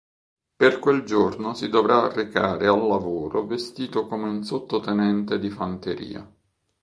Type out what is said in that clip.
Per quel giorno si dovrà recare al lavoro vestito come un sottotenente di fanteria.